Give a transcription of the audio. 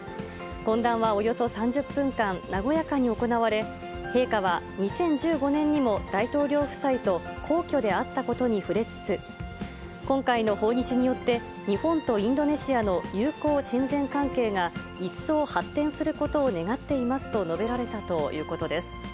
懇談はおよそ３０分間、和やかに行われ、陛下は２０１５年にも大統領夫妻と皇居で会ったことに触れつつ、今回の訪日によって、日本とインドネシアの友好親善関係が、一層発展することを願っていますと述べられたということです。